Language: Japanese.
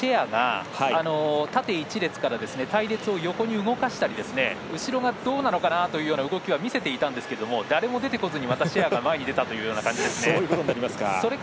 何度か先頭にいたシェアが縦一列から隊列を横に動かしたりとか後ろがどうなのかなという動きを見せていたんですけども誰も出てこずにまたシェアに前に出た感じです。